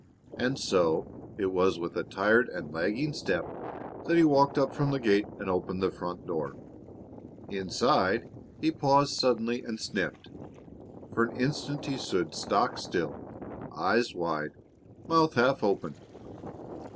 And so it was with a tired and lagging step that he walked up from the gate and opened the front door. Inside, he paused suddenly and sniffed. For an instant he stood stock still, eyes wide, mouth half open.